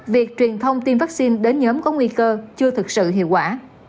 việc truyền thông tiêm vaccine đến nhóm có nguy cơ chưa thực sự hiệu quả